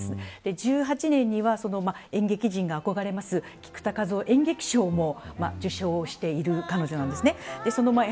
１８年には、演劇人が憧れる菊田一夫演劇賞も受賞している彼女なんです。